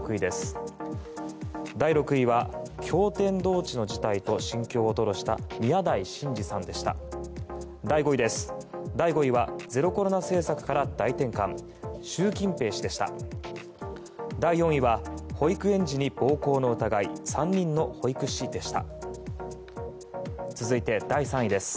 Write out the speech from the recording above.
第４位は保育園児に暴行の疑い３人の保育士でした。